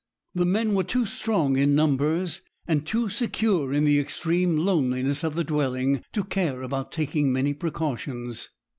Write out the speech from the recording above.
The men were too strong in numbers, and too secure in the extreme loneliness of the dwelling, to care about taking many precautions.